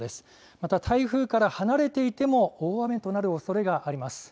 また台風から離れていても大雨となるおそれがあります。